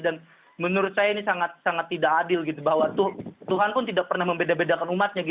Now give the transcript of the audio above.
dan menurut saya ini sangat tidak adil bahwa tuhan pun tidak pernah membeda bedakan umatnya